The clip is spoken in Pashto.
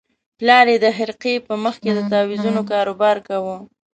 پلار یې د خرقې مخ کې د تاویزونو کاروبار کاوه.